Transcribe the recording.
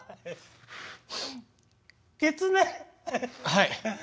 はい。